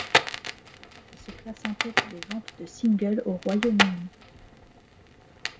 Elle se classe en tête des ventes de singles au Royaume-Uni.